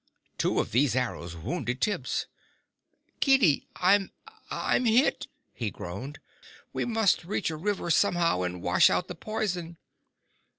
Two of these arrows wounded Tibbs. "Kiddi, I'm I'm hit!" he groaned. "We must reach a river, somehow, and wash out the poison."